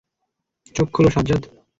চোখ খোলো সাজ্জাদ!